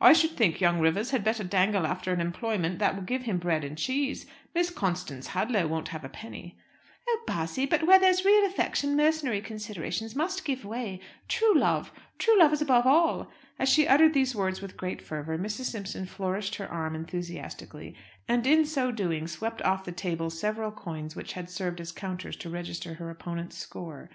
"I should think young Rivers had better dangle after an employment that will give him bread and cheese. Miss Constance Hadlow won't have a penny." "Oh, Bassy, but where there's real affection mercenary considerations must give way. True love true love is above all!" As she uttered these words with great fervour, Mrs. Simpson flourished her arm enthusiastically, and in so doing swept off the table several coins which had served as counters to register her opponent's score.